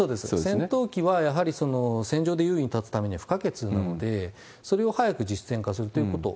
戦闘機はやはり戦場で優位に立つためには不可欠なので、それを早く実践化するということ。